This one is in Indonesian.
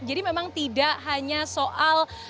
jadi memang tidak hanya soal